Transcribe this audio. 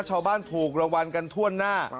ชาวบ้านถูกรางวัลกันทั่วหน้า